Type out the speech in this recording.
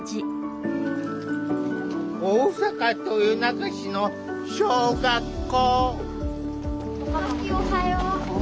大阪・豊中市の小学校。